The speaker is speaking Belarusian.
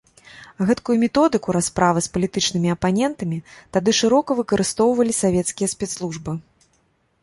Гэткую методыку расправы з палітычнымі апанентамі тады шырока выкарыстоўвалі савецкія спецслужбы.